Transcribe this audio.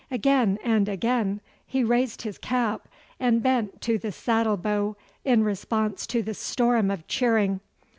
Again and again he raised his cap and bent to the saddle bow in response to the storm of cheering.